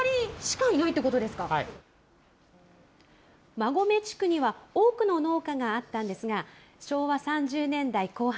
馬込地区には多くの農家があったんですが、昭和３０年代後半、